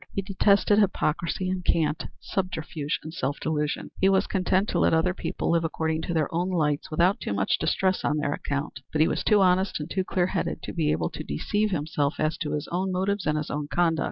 He detested hypocrisy and cant, subterfuge and self delusion. He was content to let other people live according to their own lights without too much distress on their account, but he was too honest and too clear headed to be able to deceive himself as to his own motives and his own conduct.